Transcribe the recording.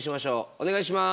お願いします。